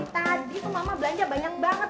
tadi tuh mama belanja banyak banget